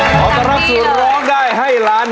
ขอต้อนรับสู่ร้องได้ให้ล้าน